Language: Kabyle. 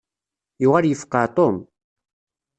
Yuɣal yefqeɛ Tom.